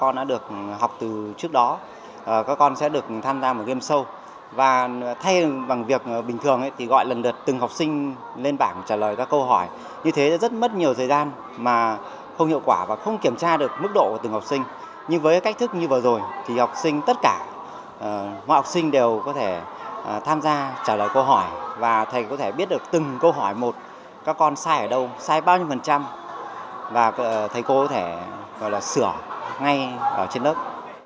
như vừa rồi thì học sinh tất cả mọi học sinh đều có thể tham gia trả lời câu hỏi và thầy có thể biết được từng câu hỏi một các con sai ở đâu sai bao nhiêu phần trăm và thầy cô có thể gọi là sửa ngay ở trên đất